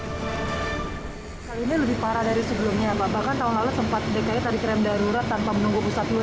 kali ini lebih parah dari sebelumnya bahkan tahun lalu sempat dki tadi krem darurat tanpa menunggu pusat dulu